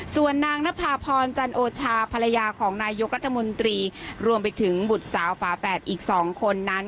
ส่วนนางนภาพรจันโอชาภรรยาของนายกรัฐมนตรีรวมไปถึงบุตรสาวฝาแฝดอีก๒คนนั้น